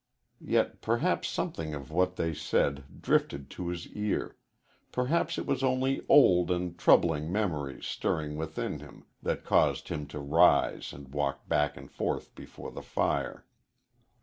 Yet perhaps something of what they said drifted to his ear perhaps it was only old and troubling memories stirring within him that caused him to rise and walk back and forth before the fire.